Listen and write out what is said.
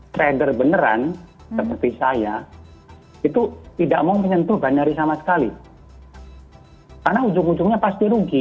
trader beneran seperti saya itu tidak mau menyentuh binari sama sekali karena ujung ujungnya pasti rugi